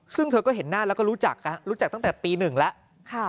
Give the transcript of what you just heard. ซึ่งเธอก็เห็นหน้าแล้วก็รู้จักรู้จักตั้งแต่ปี๑แล้ว